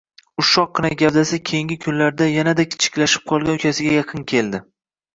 Ushoqqina gavdasi keyingi kunlarda yana-da kichiklashib qolgan ukasiga yaqin keldi